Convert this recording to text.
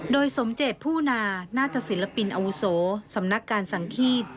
โดยสมเจตผู้นานาตศิลปินอาวุโสสำนักการสังฆีต